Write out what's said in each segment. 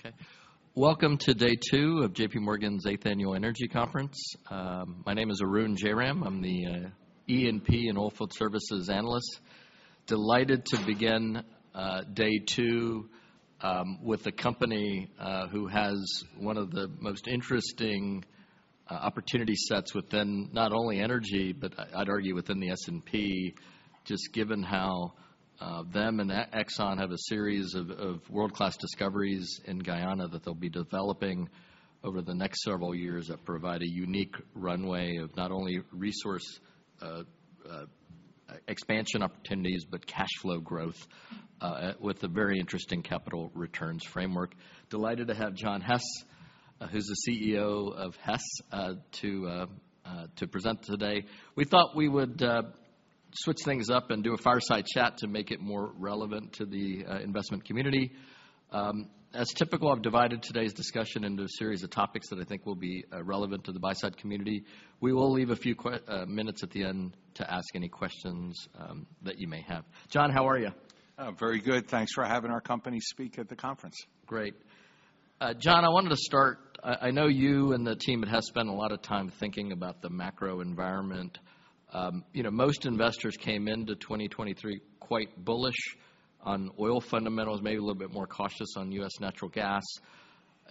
Okay. Welcome to day two of JPMorgan's Eighth Annual Energy Conference. My name is Arun Jayaram. I'm the E&P and Oilfield Services analyst. Delighted to begin day two with a company who has one of the most interesting opportunity sets within not only energy, but I'd argue within the S&P, just given how them and ExxonMobil have a series of world-class discoveries in Guyana that they'll be developing over the next several years, that provide a unique runway of not only resource expansion opportunities, but cash flow growth with a very interesting capital returns framework. Delighted to have John Hess, who's the CEO of Hess, to present today. We thought we would switch things up and do a fireside chat to make it more relevant to the investment community. As typical, I've divided today's discussion into a series of topics that I think will be relevant to the buy-side community. We will leave a few minutes at the end to ask any questions that you may have. John, how are you? I'm very good. Thanks for having our company speak at the conference. Great. John, I wanted to start... I know you and the team at Hess spend a lot of time thinking about the macro environment. You know, most investors came into 2023 quite bullish on oil fundamentals, maybe a little bit more cautious on U.S. natural gas.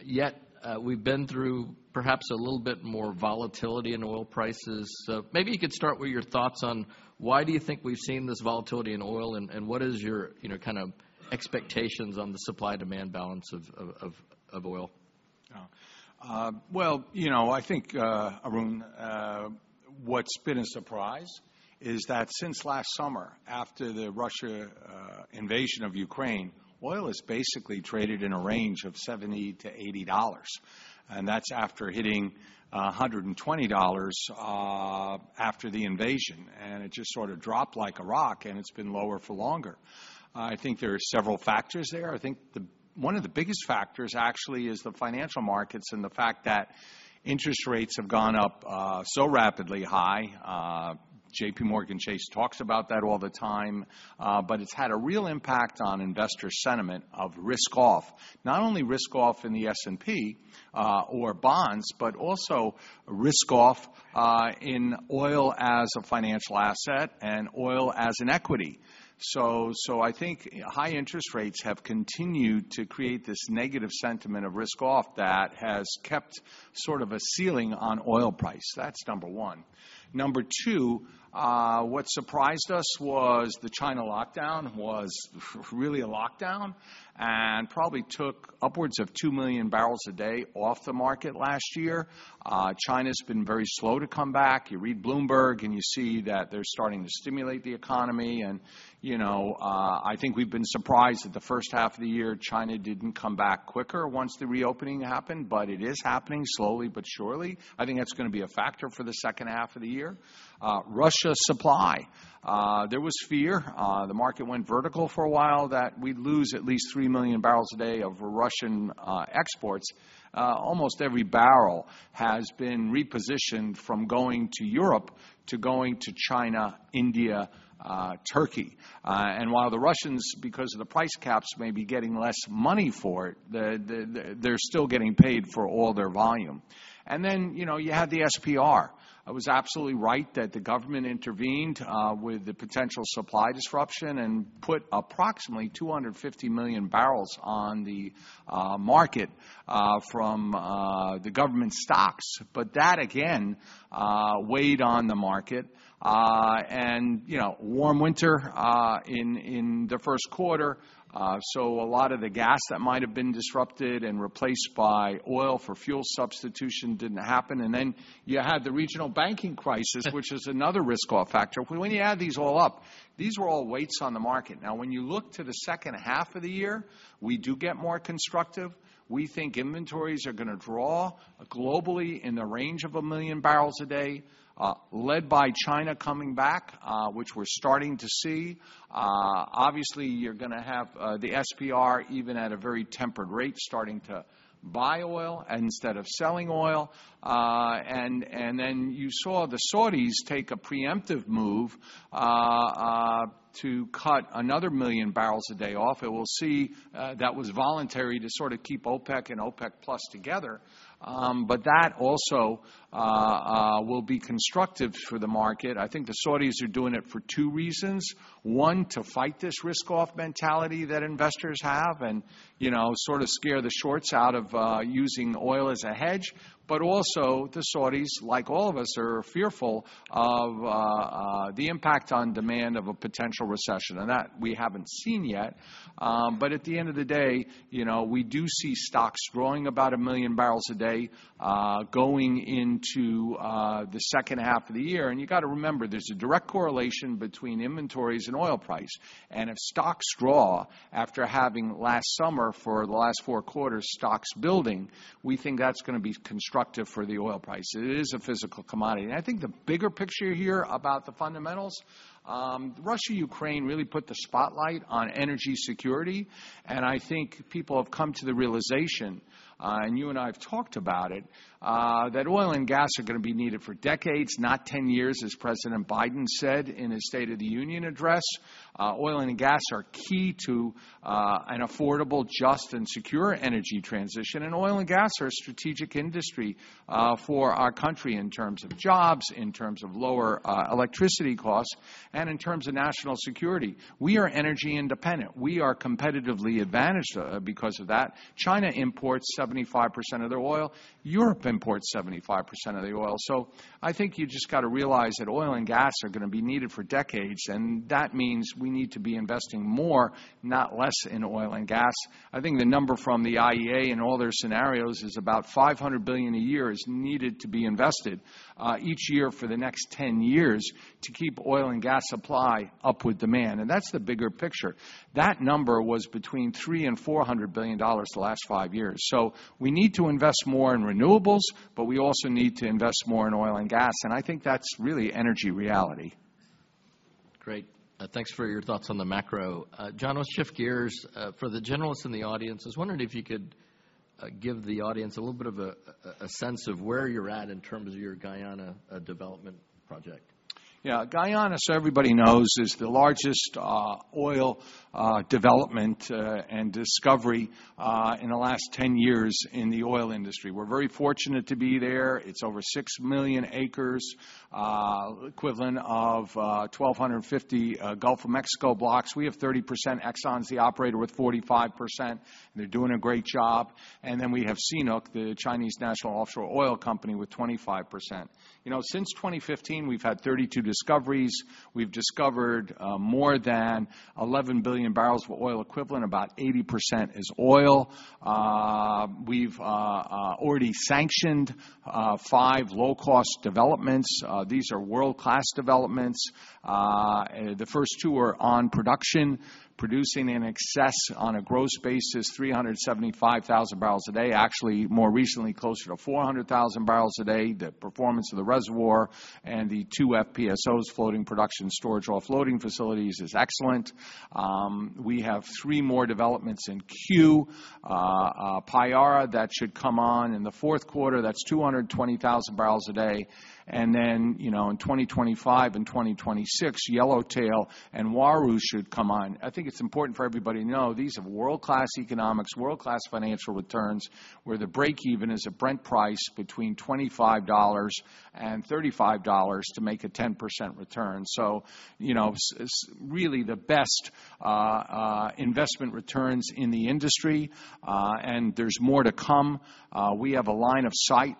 Yet, we've been through perhaps a little bit more volatility in oil prices. Maybe you could start with your thoughts on why do you think we've seen this volatility in oil, and what is your, you know, kind of expectations on the supply-demand balance of oil? Well, you know, I think, Arun, what's been a surprise is that since last summer, after the Russia invasion of Ukraine, oil has basically traded in a range of $70-$80, and that's after hitting $120 after the invasion. And it just sort of dropped like a rock, and it's been lower for longer. I think there are several factors there. I think one of the biggest factors, actually, is the financial markets and the fact that interest rates have gone up so rapidly high. JPMorgan Chase talks about that all the time, but it's had a real impact on investor sentiment of risk off. Not only risk off in the S&P or bonds, but also risk off in oil as a financial asset and oil as an equity. I think high interest rates have continued to create this negative sentiment of risk off that has kept sort of a ceiling on oil price. That's number one. Number two, what surprised us was the China lockdown was really a lockdown and probably took upwards of 2 MMbpd off the market last year. China's been very slow to come back. You read Bloomberg, and you see that they're starting to stimulate the economy. You know, I think we've been surprised that the first half of the year, China didn't come back quicker once the reopening happened, but it is happening slowly but surely. I think that's gonna be a factor for the second half of the year. Russia supply, there was fear, the market went vertical for a while, that we'd lose at least 3 MMbpd of Russian exports. Almost every barrel has been repositioned from going to Europe to going to China, India, Turkey. While the Russians, because of the price caps, may be getting less money for it, they're still getting paid for all their volume. Then, you know, you had the SPR. It was absolutely right that the government intervened with the potential supply disruption and put approximately 250 million bbl on the market from the government stocks. That, again, weighed on the market. You know, warm winter in the first quarter, a lot of the gas that might have been disrupted and replaced by oil for fuel substitution didn't happen. You had the regional banking crisis, which is another risk-off factor. When you add these all up, these were all weights on the market. When you look to the second half of the year, we do get more constructive. We think inventories are gonna draw globally in the range of 1 MMbpd, led by China coming back, which we're starting to see. Obviously, you're gonna have the SPR, even at a very tempered rate, starting to buy oil instead of selling oil. You saw the Saudis take a preemptive move to cut another 1 MMbpd off. We'll see. That was voluntary to sort of keep OPEC and OPEC+ together, but that also will be constructive for the market. I think the Saudis are doing it for two reasons. One, to fight this risk-off mentality that investors have and, you know, sort of scare the shorts out of using oil as a hedge. But also, the Saudis, like all of us, are fearful of the impact on demand of a potential recession, and that we haven't seen yet. But at the end of the day, you know, we do see stocks growing about a MMbpd going into the second half of the year. You gotta remember, there's a direct correlation between inventories and oil price. If stocks draw, after having last summer for the last four quarters, stocks building, we think that's gonna be constructive for the oil price. It is a physical commodity. I think the bigger picture here about the fundamentals, Russia-Ukraine really put the spotlight on energy security, and I think people have come to the realization, and you and I have talked about it, that oil and gas are gonna be needed for decades, not 10 years, as President Biden said in his State of the Union Address. Oil and gas are key to an affordable, just and secure energy transition. Oil and gas are a strategic industry for our country in terms of jobs, in terms of lower electricity costs, and in terms of national security. We are energy independent. We are competitively advantaged because of that. China imports 75% of their oil. Europe imports 75% of the oil. I think you just gotta realize that oil and gas are gonna be needed for decades, and that means we need to be investing more, not less, in oil and gas. I think the number from the IEA and all their scenarios is about $500 billion a year is needed to be invested each year for the next 10 years to keep oil and gas supply up with demand, and that's the bigger picture. That number was between $300 billion-$400 billion the last 5 years. We need to invest more in renewables, but we also need to invest more in oil and gas, and I think that's really energy reality. Great. Thanks for your thoughts on the macro. John, let's shift gears. For the generalists in the audience, I was wondering if you could give the audience a little bit of a sense of where you're at in terms of your Guyana development project. Yeah. Everybody knows, Guyana is the largest oil development and discovery in the last 10 years in the oil industry. We're very fortunate to be there. It's over 6 million acres, equivalent of 1,250 Gulf of Mexico blocks. We have 30%. ExxonMobil's the operator with 45%. They're doing a great job. We have CNOOC, the China National Offshore Oil Corporation, with 25%. You know, since 2015, we've had 32 discoveries. We've discovered more than 11 billion bbl of oil equivalent. About 80% is oil. We've already sanctioned five low-cost developments. These are world-class developments. The first two are on production, producing in excess on a gross basis, 375,000 bbl a day. Actually, more recently, closer to 400,000 bbl a day. The performance of the reservoir and the two FPSOs, floating production storage offloading facilities, is excellent. We have three more developments in queue. Payara, that should come on in the fourth quarter. That's 220,000 bbl a day. You know, in 2025 and 2026, Yellowtail and Uaru should come on. I think it's important for everybody to know these have world-class economics, world-class financial returns, where the break-even is a Brent price between $25 and $35 to make a 10% return. You know, really the best investment returns in the industry, there's more to come. We have a line of sight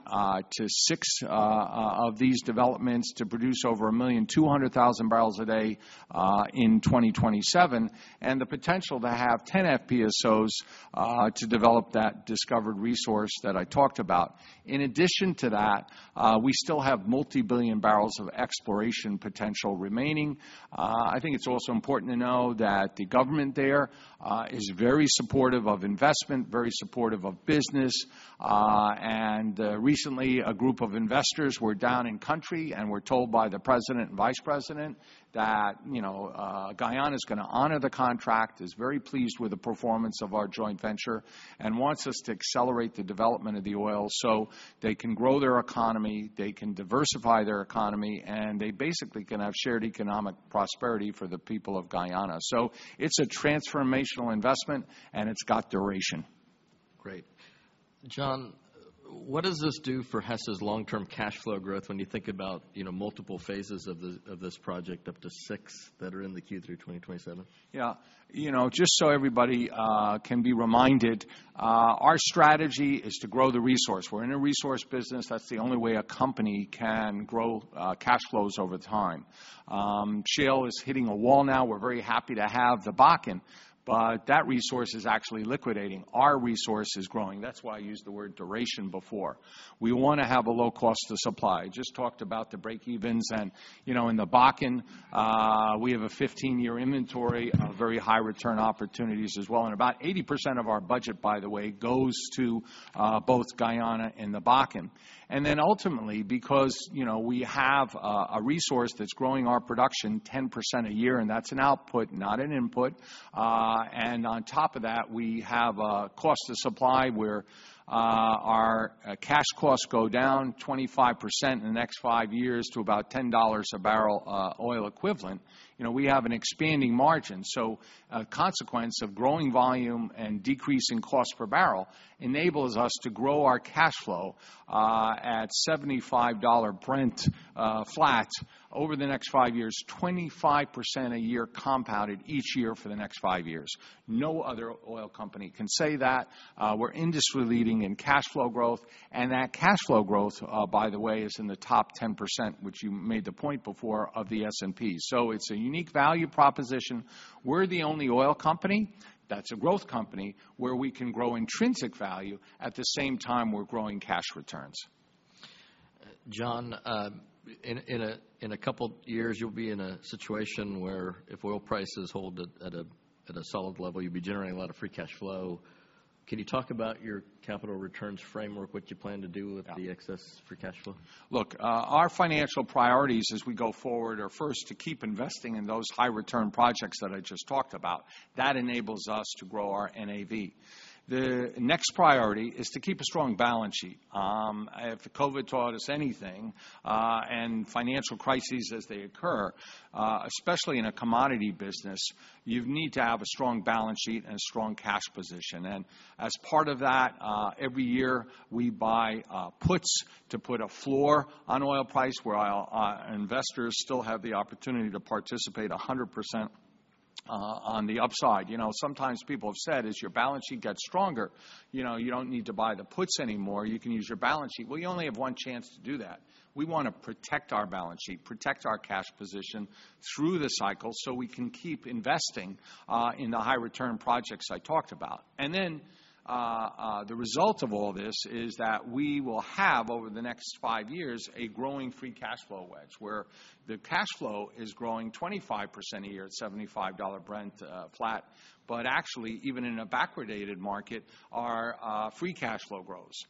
to six of these developments to produce over 1.2 MMbpd in 2027, and the potential to have 10 FPSOs to develop that discovered resource that I talked about. We still have multi-billion barrels of exploration potential remaining. I think it's also important to know that the government there is very supportive of investment, very supportive of business. Recently, a group of investors were down in country, and were told by the president and vice president that, you know, Guyana is gonna honor the contract, is very pleased with the performance of our joint venture, and wants us to accelerate the development of the oil so they can grow their economy, they can diversify their economy, and they basically can have shared economic prosperity for the people of Guyana. It's a transformational investment, and it's got duration. Great. John, what does this do for Hess's long-term cash flow growth when you think about, you know, multiple phases of this, of this project, up to six that are in the queue through 2027? Yeah. You know, just so everybody can be reminded, our strategy is to grow the resource. We're in a resource business. That's the only way a company can grow cash flows over time. shale is hitting a wall now. We're very happy to have the Bakken, but that resource is actually liquidating. Our resource is growing. That's why I used the word duration before. We wanna have a low cost of supply. Just talked about the break evens and, you know, in the Bakken, we have a 15-year inventory of very high return opportunities as well, and about 80% of our budget, by the way, goes to both Guyana and the Bakken. Ultimately, because, you know, we have a resource that's growing our production 10% a year, and that's an output, not an input, and on top of that, we have a cost of supply where our cash costs go down 25% in the next 5 years to about $10 a barrel oil equivalent. You know, we have an expanding margin. A consequence of growing volume and decreasing cost per barrel enables us to grow our cash flow at $75 Brent flat over the next five years, 25% a year compounded each year for the next five years. No other oil company can say that. We're industry leading in cash flow growth, and that cash flow growth, by the way, is in the top 10%, which you made the point before of the S&P. It's a unique value proposition. We're the only oil company that's a growth company, where we can grow intrinsic value, at the same time we're growing cash returns. John, in a couple years, you'll be in a situation where if oil prices hold at a solid level, you'll be generating a lot of free cash flow. Can you talk about your capital returns framework, what you plan to do with? Yeah - the excess free cash flow? Look, our financial priorities as we go forward, are first to keep investing in those high return projects that I just talked about. That enables us to grow our NAV. The next priority is to keep a strong balance sheet. If COVID taught us anything, and financial crises as they occur, especially in a commodity business, you've need to have a strong balance sheet and a strong cash position. As part of that, every year we buy, puts to put a floor on oil price, where our investors still have the opportunity to participate 100%, on the upside. You know, sometimes people have said, "As your balance sheet gets stronger, you know, you don't need to buy the puts anymore. You can use your balance sheet." Well, you only have one chance to do that. We wanna protect our balance sheet, protect our cash position through the cycle, so we can keep investing in the high return projects I talked about. The result of all this is that we will have, over the next five years, a growing free cash flow wedge, where the cash flow is growing 25% a year at $75 Brent flat. Even in a backward dated market, our free cash flow grows.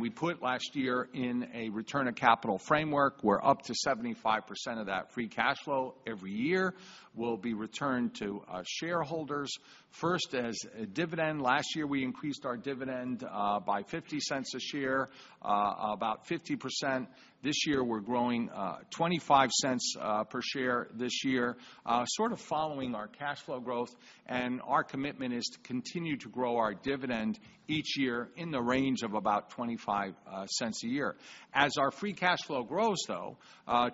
We put last year in a return of capital framework, where up to 75% of that free cash flow every year will be returned to our shareholders, first as a dividend. Last year, we increased our dividend by $0.50 a share about 50%. This year, we're growing, $0.25 per share this year, sort of following our cash flow growth, and our commitment is to continue to grow our dividend each year in the range of about $0.25 a year. As our free cash flow grows, though,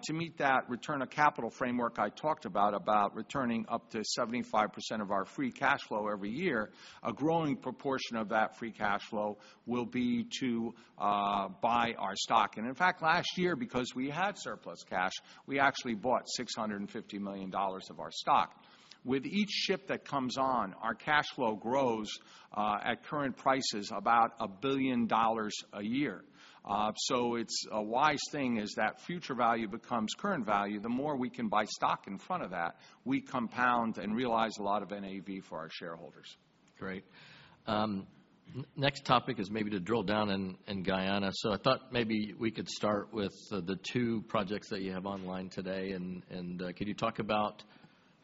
to meet that return of capital framework I talked about returning up to 75% of our free cash flow every year, a growing proportion of that free cash flow will be to, buy our stock. In fact, last year, because we had surplus cash, we actually bought $650 million of our stock. With each ship that comes on, our cash flow grows, at current prices, about $1 billion a year. It's a wise thing, as that future value becomes current value, the more we can buy stock in front of that, we compound and realize a lot of NAV for our shareholders. Great. next topic is maybe to drill down in Guyana. I thought maybe we could start with the two projects that you have online today. Could you talk about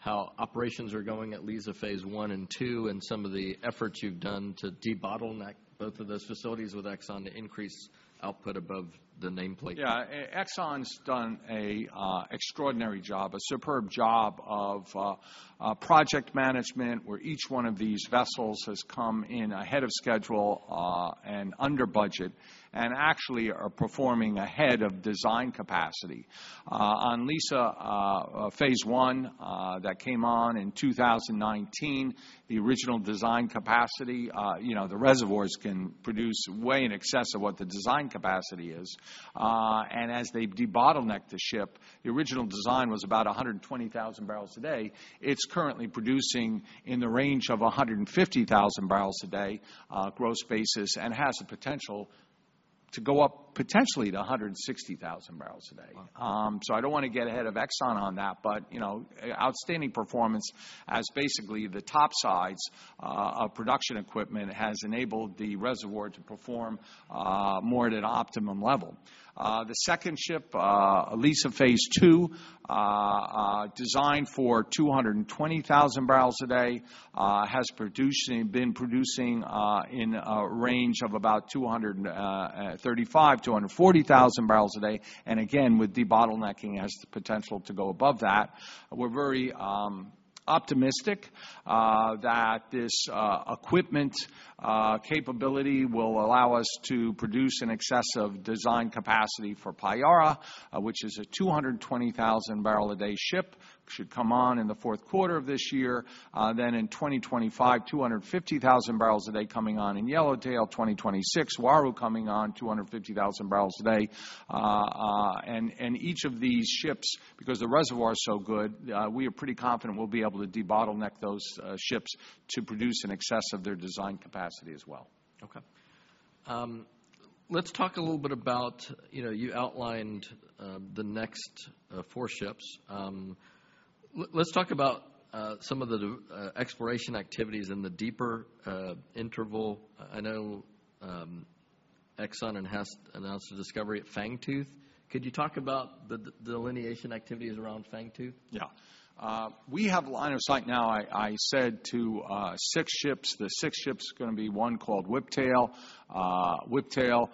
how operations are going LIZA Phase 1 and 2, and some of the efforts you've done to debottleneck both of those facilities with ExxonMobil to increase output above the nameplate? ExxonMobil's done a extraordinary job, a superb job of project management, where each one of these vessels has come in ahead of schedule, and under budget, and actually are performing ahead of design capacity. On LIZA, Phase 1, that came on in 2019, the original design capacity, you know, the reservoirs can produce way in excess of what the design capacity is. As they debottleneck the ship, the original design was about 120,000 bbl a day. It's currently producing in the range of 150,000 bbl a day, gross basis, and has the potential to go up, potentially, to 160,000 bbl a day. Wow! I don't wanna get ahead of ExxonMobil on that, but, you know, outstanding performance as basically the top sides of production equipment has enabled the reservoir to perform more at an optimum level. The second LIZA Phase 2, designed for 220,000 bbl a day, been producing in a range of about 235,000-140,000 bbl a day, and again, with debottlenecking, has the potential to go above that. We're very optimistic that this equipment capability will allow us to produce in excess of design capacity for Payara, which is a 220,000 bbl a day ship. Should come on in the fourth quarter of this year. 2025, 250,000 bbl a day coming on in Yellowtail. 2026, Uaru coming on, 250,000 bbl a day. Each of these ships, because the reservoir is so good, we are pretty confident we'll be able to debottleneck those ships to produce in excess of their design capacity as well. Okay. let's talk a little bit about... You know, you outlined, the next, four ships. let's talk about, some of the, exploration activities in the deeper, interval. I know, ExxonMobil announced a discovery at Fangtooth. Could you talk about the delineation activities around Fangtooth? Yeah. We have line of sight now, I said to six ships. The six ships is going to be one called Whiptail. Whiptail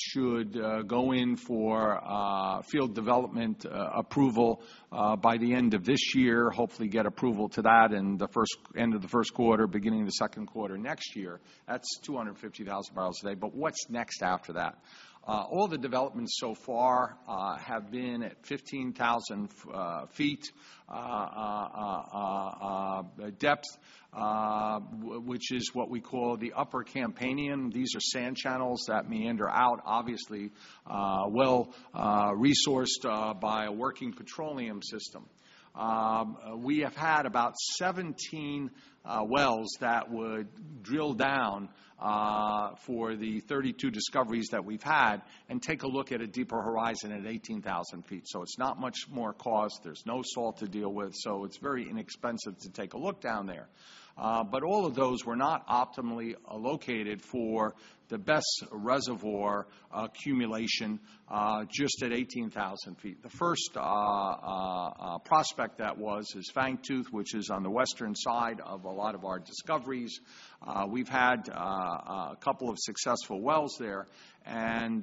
should go in for field development approval by the end of this year. Hopefully, get approval to that in the end of the first quarter, beginning of the second quarter next year. That's 250,000 bbl a day. What's next after that? All the developments so far have been at 15,000 ft depth, which is what we call the Upper Campanian. These are sand channels that meander out, obviously, well resourced by a working petroleum system. We have had about 17 wells that would drill down for the 32 discoveries that we've had, and take a look at a deeper horizon at 18,000 ft. It's not much more cost. There's no salt to deal with, so it's very inexpensive to take a look down there. All of those were not optimally located for the best reservoir accumulation just at 18,000 ft. The first prospect that was, is Fangtooth, which is on the western side of a lot of our discoveries. We've had a couple of successful wells there, and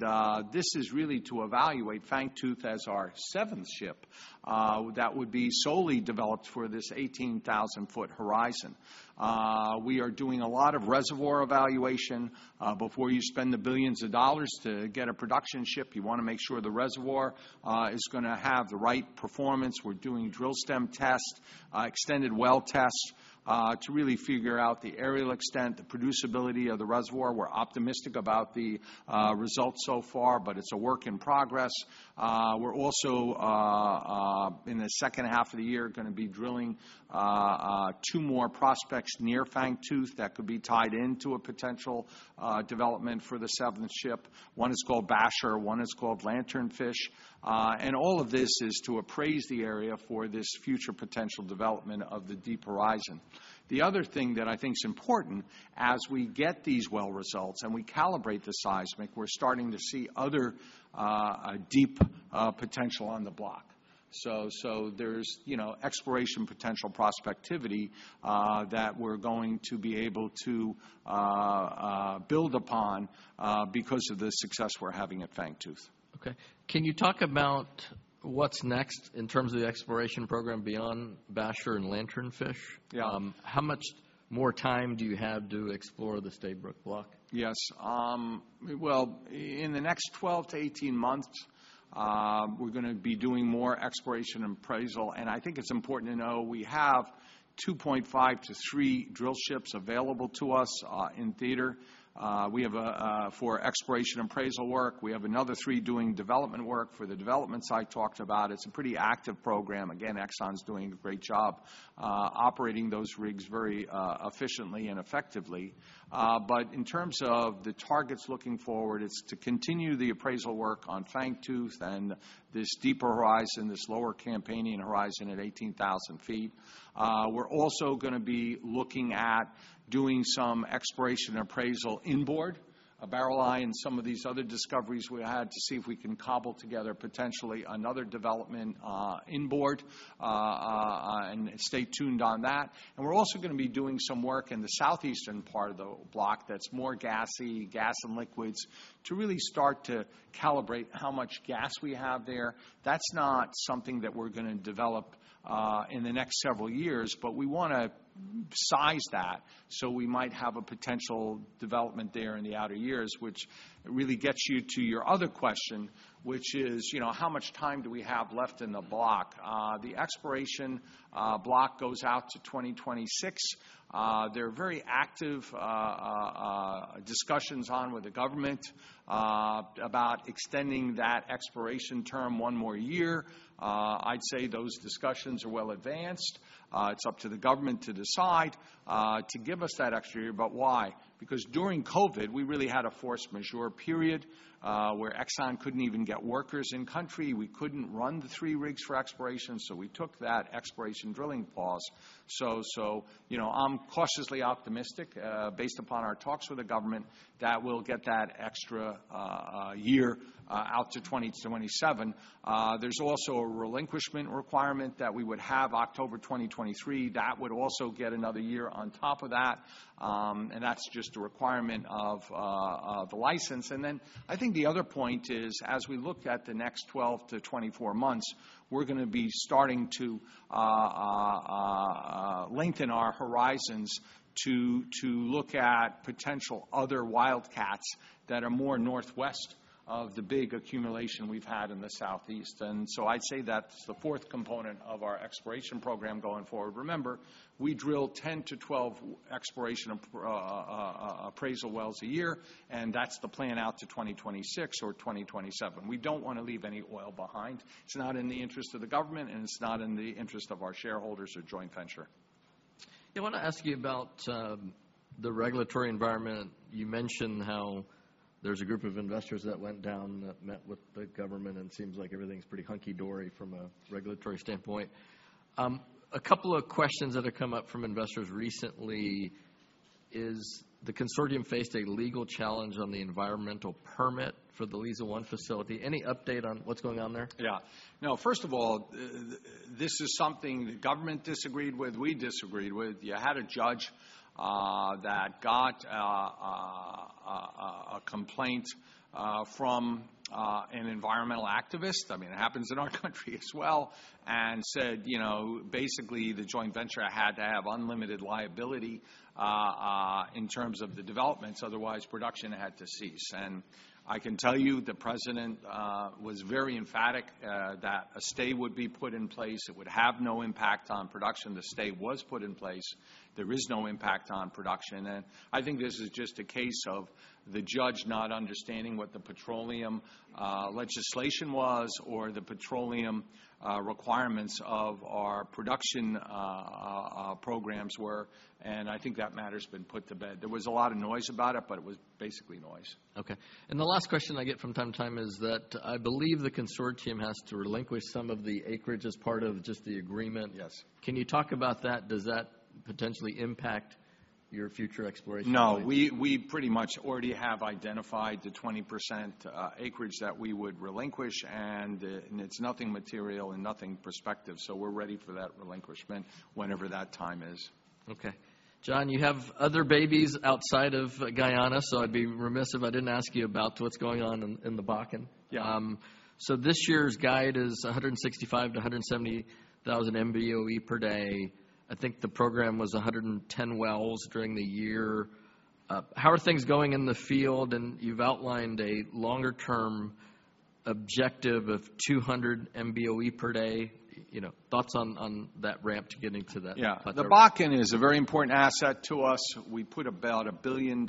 this is really to evaluate Fangtooth as our seventh ship that would be solely developed for this 18,000-foot horizon. We are doing a lot of reservoir evaluation. Before you spend the billions of dollars to get a production ship, you want to make sure the reservoir is going to have the right performance. We're doing drill stem test, extended well test, to really figure out the aerial extent, the producibility of the reservoir. We're optimistic about the results so far, but it's a work in progress. We're also in the second half of the year, going to be drilling two more prospects near Fangtooth that could be tied into a potential development for the seventh ship. One is called Basher, one is called Lanternfish. All of this is to appraise the area for this future potential development of the deep horizon. The other thing that I think is important, as we get these well results, and we calibrate the seismic, we're starting to see other deep potential on the block. There's, you know, exploration potential prospectivity that we're going to be able to build upon because of the success we're having at Fangtooth. Okay. Can you talk about what's next in terms of the exploration program beyond Basher and Lanternfish? Yeah. How much more time do you have to explore the Stabroek Block? Yes. Well, in the next 12 to 18 months, we're going to be doing more exploration appraisal. I think it's important to know we have 2.5 to 3 drill ships available to us in theater. We have, for exploration appraisal work, we have another three doing development work for the developments I talked about. It's a pretty active program. Again, Exxon is doing a great job operating those rigs very efficiently and effectively. In terms of the targets looking forward, it's to continue the appraisal work on Fangtooth and this deeper horizon, this Lower Campanian horizon at 18,000 ft. We're also going to be looking at doing some exploration appraisal inboard, Barreleye, and some of these other discoveries we had, to see if we can cobble together potentially another development, inboard, and stay tuned on that. We're also going to be doing some work in the southeastern part of the block that's more gassy, gas and liquids, to really start to calibrate how much gas we have there. That's not something that we're going to develop in the next several years, but we want to size that so we might have a potential development there in the outer years. Which really gets you to your other question, which is, you know, how much time do we have left in the block? The exploration block goes out to 2026. There are very active discussions on with the government about extending that exploration term one more year. I'd say those discussions are well advanced. It's up to the government to decide to give us that extra year. Why? Because during COVID, we really had a force majeure period where Exxon couldn't even get workers in country. We couldn't run the three rigs for exploration, we took that exploration drilling pause. You know, I'm cautiously optimistic, based upon our talks with the government, that we'll get that extra year out to 2027. There's also a relinquishment requirement that we would have October 2023. That would also get another year on top of that's just a requirement of the license. I think the other point is, as we look at the next 12-24 months, we're going to be starting to lengthen our horizons to look at potential other wildcats that are more northwest of the big accumulation we've had in the southeast. I'd say that's the fourth component of our exploration program going forward. Remember, we drill 10-12 exploration appraisal wells a year, and that's the plan out to 2026 or 2027. We don't want to leave any oil behind. It's not in the interest of the government, and it's not in the interest of our shareholders or joint venture. I want to ask you about the regulatory environment. You mentioned how there's a group of investors that went down, that met with the government, and it seems like everything's pretty hunky-dory from a regulatory standpoint. A couple of questions that have come up from investors recently. Is the consortium faced a legal challenge on the environmental permit for the LIZA 1 facility? Any update on what's going on there? Yeah. No, first of all, this is something the government disagreed with, we disagreed with. You had a judge that got a complaint from an environmental activist, I mean, it happens in our country as well, and said, you know, basically, the joint venture had to have unlimited liability in terms of the developments, otherwise, production had to cease. I can tell you, the President was very emphatic that a stay would be put in place. It would have no impact on production. The stay was put in place. There is no impact on production, I think this is just a case of the judge not understanding what the petroleum legislation was, or the petroleum requirements of our production programs were, and I think that matter's been put to bed. There was a lot of noise about it, but it was basically noise. Okay, the last question I get from time to time is that I believe the consortium has to relinquish some of the acreage as part of just the agreement. Yes. Can you talk about that? Does that potentially impact your future exploration? No, we pretty much already have identified the 20% acreage that we would relinquish, and it's nothing material and nothing prospective, so we're ready for that relinquishment whenever that time is. Okay. John, you have other babies outside of Guyana, I'd be remiss if I didn't ask you about what's going on in the Bakken. Yeah. This year's guide is 165,000-170,000 MBOE per day. I think the program was 110 wells during the year. How are things going in the field? You've outlined a longer-term objective of 200 MBOE per day. You know, thoughts on that ramp to getting to that? Yeah. The Bakken is a very important asset to us. We put about $1 billion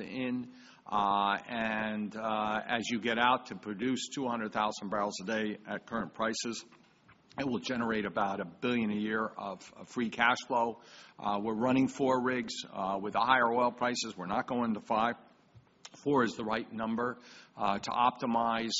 in, and as you get out to produce 200,000 bbl a day at current prices, it will generate about $1 billion a year of free cash flow. We're running four rigs. With the higher oil prices, we're not going to five. Four is the right number to optimize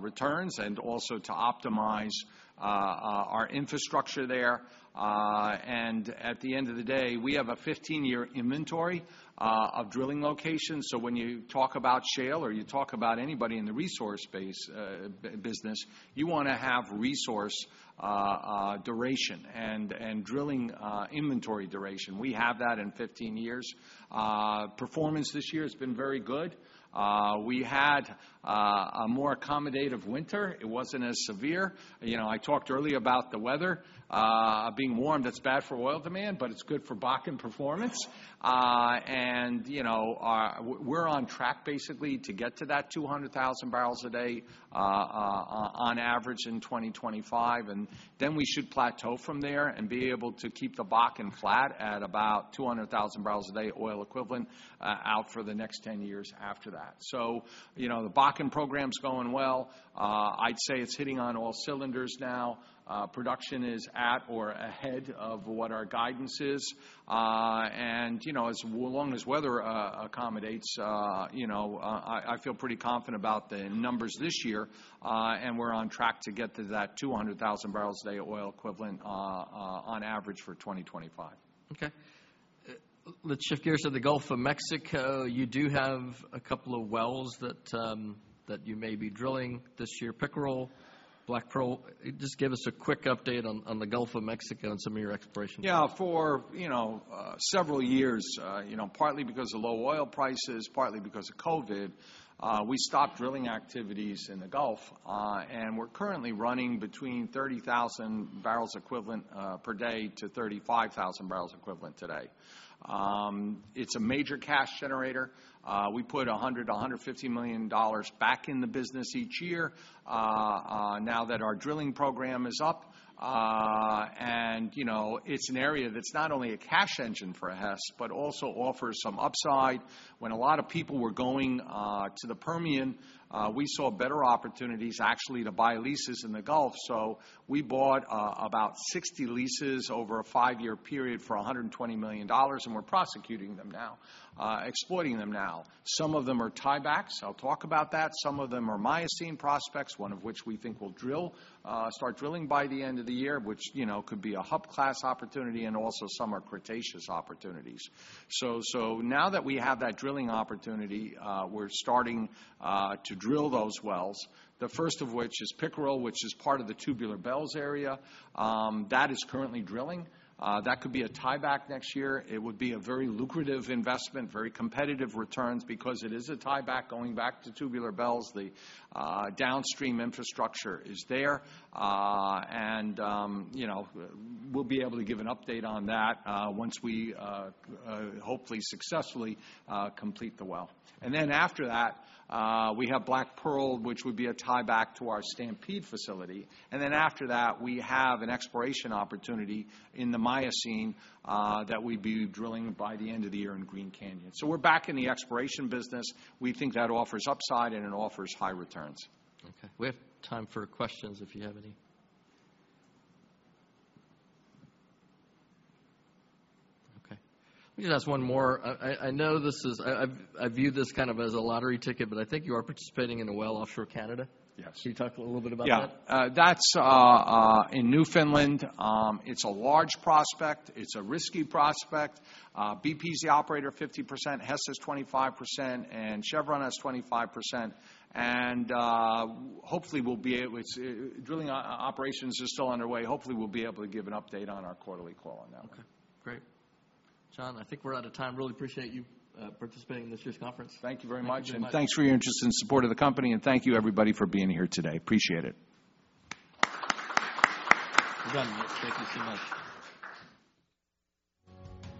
returns and also to optimize our infrastructure there. At the end of the let me tell you, we have a 15-year inventory of drilling locations, so when you talk about shale or you talk about anybody in the resource base business, you wanna have resource duration and drilling inventory duration. We have that in 15 years. Performance this year has been very good. We had a more accommodative winter. It wasn't as severe. You know, I talked earlier about the weather being warm. That's bad for oil demand, but it's good for Bakken performance. You know, we're on track basically to get to that 200,000 bbl a day on average in 2025, and then we should plateau from there and be able to keep the Bakken flat at about 200,000 bbl a day oil equivalent out for the next 10 years after that. You know, the Bakken program's going well. I'd say it's hitting on all cylinders now. Production is at or ahead of what our guidance is. you know, as long as weather accommodates, you know, I feel pretty confident about the numbers this year, and we're on track to get to that 200,000 bbl a day of oil equivalent on average for 2025. Okay. let's shift gears to the Gulf of Mexico. You do have a couple of wells that you may be drilling this year, Pickerel, Black Pearl. Just give us a quick update on the Gulf of Mexico and some of your explorations. Yeah, for, you know, several years, you know, partly because of low oil prices, partly because of COVID, we stopped drilling activities in the Gulf. We're currently running between 30,000 bbl equivalent per day to 35,000 bbl equivalent today. It's a major cash generator. We put $100 million-$150 million back in the business each year, now that our drilling program is up. You know, it's an area that's not only a cash engine for Hess, but also offers some upside. When a lot of people were going to the Permian, we saw better opportunities actually to buy leases in the Gulf. We bought about 60 leases over a five-year period for $120 million, and we're prosecuting them now, exploiting them now. Some of them are tiebacks. I'll talk about that. Some of them are Miocene prospects, one of which we think will drill, start drilling by the end of the year, which, you know, could be a hub class opportunity, and also some are Cretaceous opportunities. Now that we have that drilling opportunity, we're starting to drill those wells, the first of which is Pickerel, which is part of the Tubular Bells area. That is currently drilling. That could be a tieback next year. It would be a very lucrative investment, very competitive returns because it is a tieback going back to Tubular Bells. The downstream infrastructure is there. You know, we'll be able to give an update on that, once we hopefully successfully complete the well. Then after that, we have Black Pearl, which would be a tieback to our Stampede facility, and then after that, we have an exploration opportunity in the Miocene that we'd be drilling by the end of the year in Green Canyon. We're back in the exploration business. We think that offers upside, and it offers high returns. Okay. We have time for questions if you have any. Okay, let me just ask one more. I view this kind of as a lottery ticket, but I think you are participating in a well offshore Canada? Yes. Can you talk a little bit about that? Yeah. That's in Newfoundland. It's a large prospect. It's a risky prospect. BP's the operator, 50%, Hess has 25%, and Chevron has 25%. Hopefully, we'll be able to operations are still underway. Hopefully, we'll be able to give an update on our quarterly call on that one. Okay, great. John, I think we're out of time. Really appreciate you participating in this year's conference. Thank you very much. Thank you much. Thanks for your interest and support of the company, and thank you everybody for being here today. Appreciate it. Well done, thank you so much.